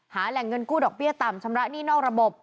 แหล่งเงินกู้ดอกเบี้ยต่ำชำระหนี้นอกระบบ